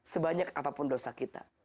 sebanyak apapun dosa kita